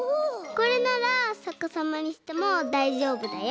これならさかさまにしてもだいじょうぶだよ！